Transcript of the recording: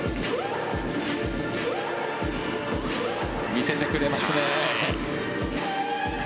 見せてくれますね。